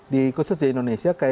di khusus di indonesia